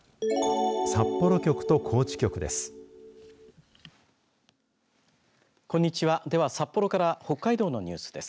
札幌局と高知局です。